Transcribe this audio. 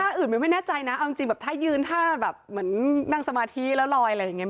อื่นมันไม่แน่ใจนะเอาจริงแบบถ้ายืนท่าแบบเหมือนนั่งสมาธิแล้วลอยอะไรอย่างนี้